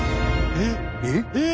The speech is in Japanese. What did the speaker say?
えっ？